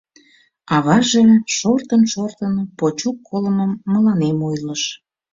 Аваже, шортын-шортын, Почук колымым мыланем ойлыш...